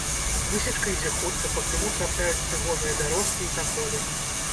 Высечка ідзе хутка, пад пілу трапляюць прыгожыя бярозкі і таполі.